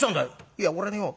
「いや俺よ